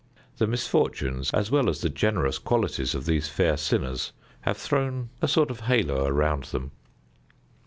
The misfortunes, as well as the generous qualities of these fair sinners have thrown a sort of halo around them.